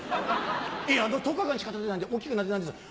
「いや１０日間しかたってないんで大きくなってないんですよ」。